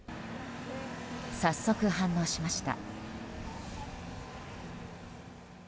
早速、反応しました。